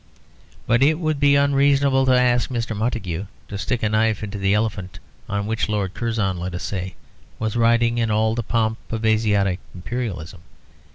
But it would be unreasonable to ask Mr. Montagu to stick a knife into the elephant on which Lord Curzon, let us say, was riding in all the pomp of Asiatic imperialism.